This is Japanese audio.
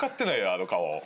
あの顔。